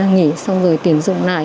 nghỉ xong rồi tuyển dụng lại